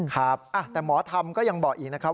ครับแต่หมอธรรมก็ยังบอกอีกนะครับ